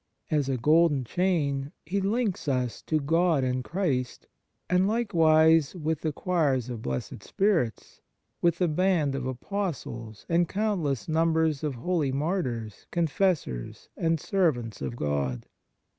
As a golden chain He links us to God and Christ, and like wise with the choirs of blessed spirits, with the band of Apostles and countless numbers of holy Martyrs, Confessors, and Servants of God.